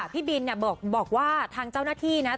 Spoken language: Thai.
พี่บินเนี่ยบอกว่าทางเจ้าหน้าที่นะ